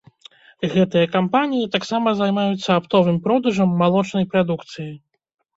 Гэтыя кампаніі таксама займаюцца аптовым продажам малочнай прадукцыі.